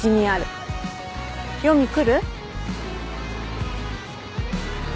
読み来る？